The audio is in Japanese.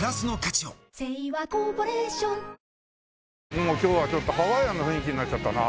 もう今日はちょっとハワイアンな雰囲気になっちゃったな。